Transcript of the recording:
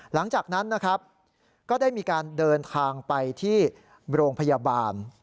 หลังจากนั้นนะครับก็ได้มีการเดินทางไปที่โรงพยาบาล